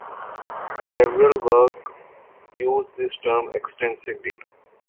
Several works use this term extensively.